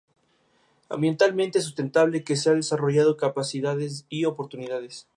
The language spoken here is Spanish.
Ambientalmente sustentable que se ha desarrollado capacidades y oportunidades.